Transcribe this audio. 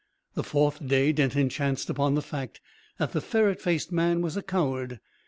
The fourth day Denton chanced upon the fact that the ferret faced man was a coward.